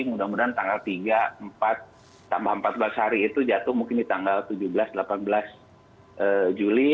mudah mudahan tanggal tiga empat tambah empat belas hari itu jatuh mungkin di tanggal tujuh belas delapan belas juli